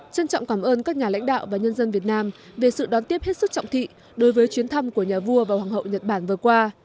trân trọng cảm ơn các nhà lãnh đạo và nhân dân việt nam về sự đón tiếp hết sức trọng thị đối với chuyến thăm của nhà vua và hoàng hậu nhật bản vừa qua